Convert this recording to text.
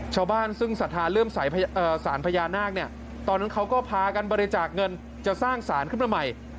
ชาวบ้านซึ่งศรัทธาเรื่องสารพญานาคเนี่ยตอนนั้นเขาก็พากันบริจาคเงินจะสร้างสารขึ้นมาใหม่